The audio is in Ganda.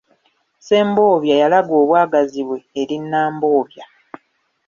Ssembobya yalaga obwagazi bwe eri Nambobya.